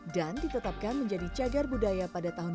dan ditetapkan menjadi segar budaya pada tahun dua ribu sepuluh